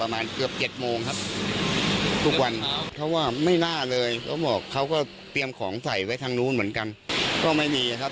มันจะหลายมากนะคะ